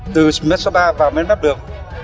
từ mết số ba vào mết mắt đường